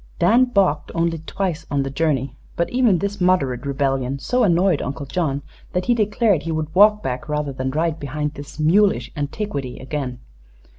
Dan balked only twice on the journey, but even this moderate rebellion so annoyed Uncle John that he declared he would walk back rather than ride behind this "mulish antiquity" again.